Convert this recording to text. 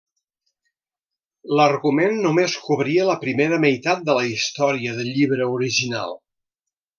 L'argument només cobria la primera meitat de la història del llibre original.